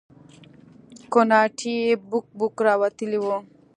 کوناټي يې بوک بوک راوتلي وو.